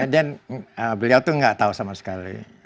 dan beliau itu gak tahu sama sekali